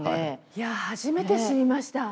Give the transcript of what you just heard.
いや初めて知りました。